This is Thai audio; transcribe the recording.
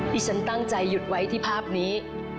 ที่ฉันตั้งใจหยุดไว้ที่ภาพนี้